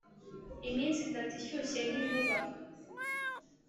iminsi itatu ishyushye nk'inkuba